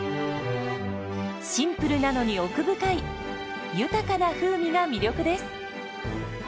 シンプルなのに奥深い豊かな風味が魅力です。